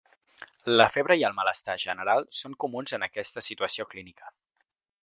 La febre i el malestar general són comuns en aquesta situació clínica.